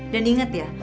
dan inget ya